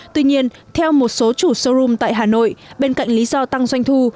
tuy nhiên theo một số chủ showroom tại hà nội bên cạnh lý do tăng doanh thu